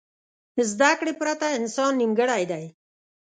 زده کړې پرته انسان نیمګړی دی.